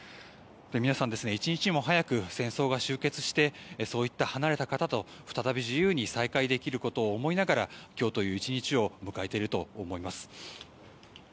皆さん、一日も早く戦争が終結してそういった離れた方と再び自由に再会できることを思いながら、今日という１日を迎えていると思います。